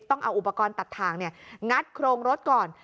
ต้องเอาอุปกรณ์ตัดทางงัดโครงรถก่อน